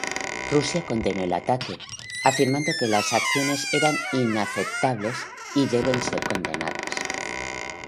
Rusia condenó el ataque, afirmando que las acciones eran "inaceptables y deben ser condenadas.